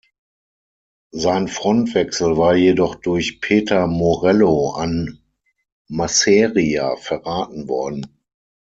Sein Frontwechsel war jedoch durch Peter Morello an Masseria verraten worden.